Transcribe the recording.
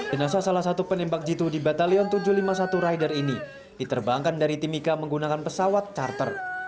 jenazah salah satu penembak jitu di batalion tujuh ratus lima puluh satu rider ini diterbangkan dari timika menggunakan pesawat charter